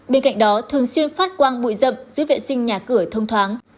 bên cạnh đó thường xuyên phát quang bụi rậm giữ vệ sinh nhà cửa thông thoáng